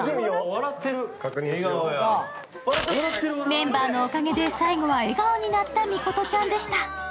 メンバーのおかげで最後は笑顔になったミコトちゃんでした。